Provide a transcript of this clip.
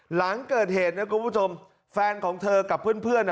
หลังเกิดเหตุนะครับคุณผู้ชมแฟนของเธอกับเพื่อนเพื่อนน่ะ